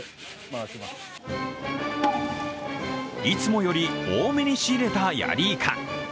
いつもより多めに仕入れたヤリイカ。